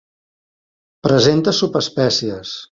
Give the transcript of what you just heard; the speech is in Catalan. Presenta subespècies.